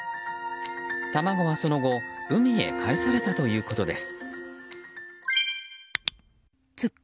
卵はその後海へかえされたということです。